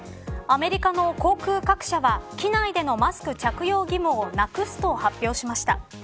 アメリカの航空各社は機内でのマスク着用義務をなくすと発表しました。